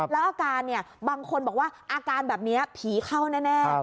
แล้วอาการบางคนบอกว่าอาการแบบนี้ผีเข้าแน่